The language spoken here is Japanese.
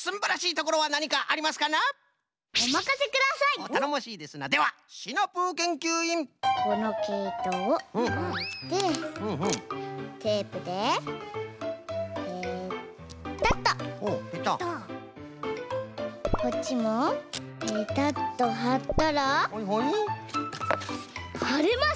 こっちもペタッとはったらはれます！